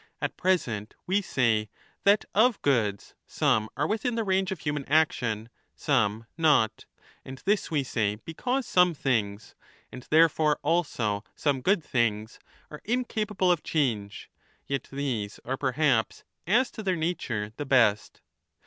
^ At present we 30 say that of goods some are within the range of human action, some not ; and this we say because some things — and therefore also some good things— are incapable of change, yet these are perhaps as to their nature the best.